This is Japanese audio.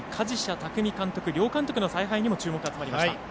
舍巧監督、両監督の采配にも注目が集まりました。